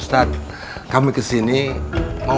yang lain ini grab